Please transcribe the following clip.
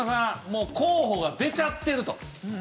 もう候補が出ちゃってると。